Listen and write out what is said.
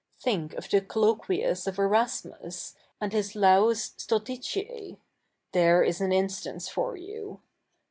Think of the colloquies of Erasmus, a?id his Laus StultiticE. — there is an instance for you.